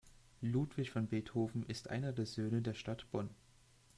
Ludwig van Beethoven ist einer der Söhne der Stadt Bonn.